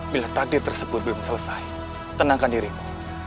bila takdir tersebut belum selesai tenangkan dirimu